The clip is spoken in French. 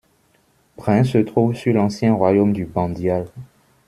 Brin se trouve sur l'ancien royaume du Bandial.